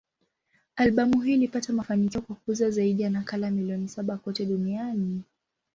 Albamu hii ilipata mafanikio kwa kuuza zaidi ya nakala milioni saba kote duniani.